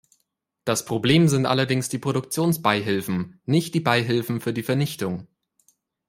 Das Problem sind allerdings die Produktionsbeihilfen, nicht die Beihilfen für die Vernichtung.